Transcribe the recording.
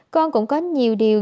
con cũng có nhiều điều